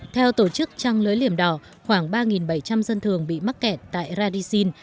theo tổ chức trăng lới liểm đỏ khoảng ba bảy trăm linh dân thường bị mắc kẹt tại radisin